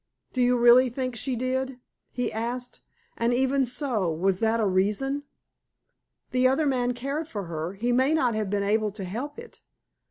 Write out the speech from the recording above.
"Do you really think she did?" he asked. "And even so, was that a reason?" "The other man cared for her; he may not have been able to help it."